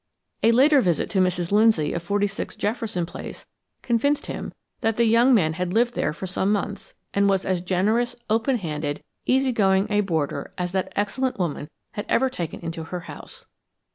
A later visit to Mrs. Lindsay of 46 Jefferson Place convinced him that the young man had lived there for some months and was as generous, open handed, easy going a boarder as that excellent woman had ever taken into her house.